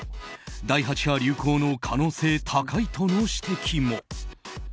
第８波流行の可能性高いとの指摘も。